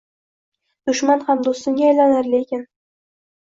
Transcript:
Dushman ham dustimga aylanar lekin